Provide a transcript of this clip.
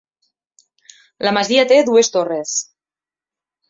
La masia té dues torres.